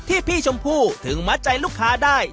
พี่ชมพู่ถึงมัดใจลูกค้าได้